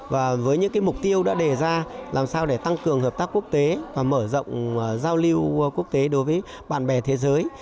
và với những mục tiêu đã đề ra làm sao để tăng cường hợp tác quốc tế và mở rộng giao lưu quốc tế đối với bạn bè thế giới